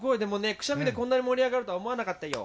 くしゃみでこんなに盛り上がるとは思わなかったよ。